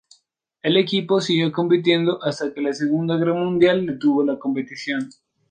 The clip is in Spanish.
El equipo siguió compitiendo hasta que la Segunda Guerra Mundial detuvo la competición.